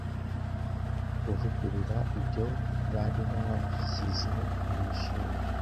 kuvugurura ibyo bari bashyize mu mishinga